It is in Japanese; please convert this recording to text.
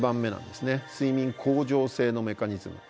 睡眠恒常性のメカニズム。